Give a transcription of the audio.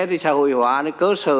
thì xã hội hóa cơ sở